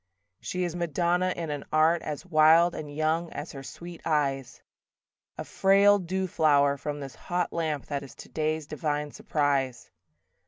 II She is madonna in an art As wild and young as her sweet eyes: A frail dew flower from this hot lamp That is today's divine surprise.